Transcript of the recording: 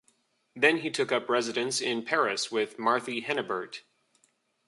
Then he took up residence in Paris with Marthe Hennebert.